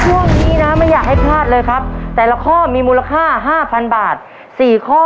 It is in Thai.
ช่วงนี้นะไม่อยากให้พลาดเลยครับแต่ละข้อมีมูลค่า๕๐๐บาท๔ข้อ